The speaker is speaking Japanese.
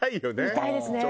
見たいですね。